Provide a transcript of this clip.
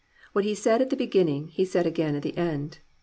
What he said at the begin ning he said again at the end.